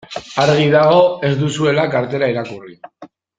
Argi dago ez duzuela kartela irakurri.